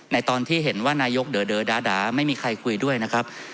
ในตอนที่เห็นนายกเดอะเดอะดาดาไม่มีใครคุยด้วยนะครับ